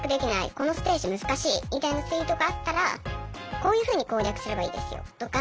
このステージ難しい！」みたいなツイートがあったら「こういうふうに攻略すればいいですよ」とか。